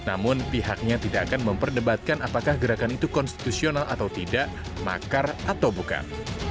namun pihaknya tidak akan memperdebatkan apakah gerakan itu konstitusional atau tidak makar atau bukan